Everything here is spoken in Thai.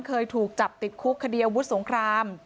เคยถูกจับติดคุกคดีอาวุธสงคราม